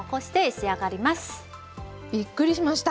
びっくりしました。